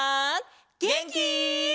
げんき？